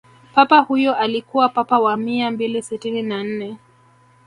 papa huyo alikuwa papa wa mia mbili sitini na nne